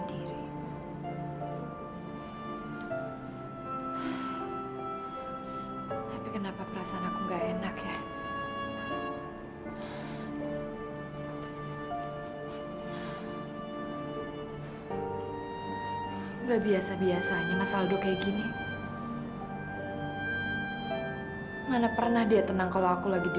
terima kasih aku sarapan di atas kasur kayak gini